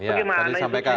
ya tadi sampai kak